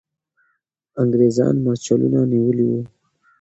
انګریزان مرچلونه نیولي وو.